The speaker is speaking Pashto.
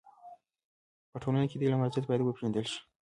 په ټولنه کي د علم ارزښت بايد و پيژندل سي.